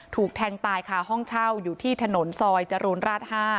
ถูกแทงตายค่ะห้องเช่าอยู่ที่ถนนซอยจรูนราช๕